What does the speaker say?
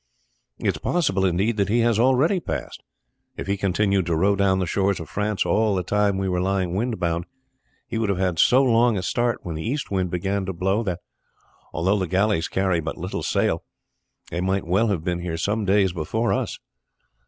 It is possible, indeed, that he has already passed. If he continued to row down the shores of France all the time we were lying wind bound he would have had so long a start when the east wind began to blow, that, although the galleys carry but little sail, they might well have been here some days before us.